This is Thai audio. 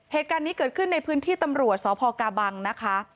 เหตุการณ์นี้เกิดขึ้นในพื้นที่ตำรวจสพกาบังนะคะ